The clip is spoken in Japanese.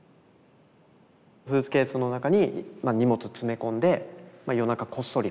スーツケースの中に荷物詰め込んで夜中こっそり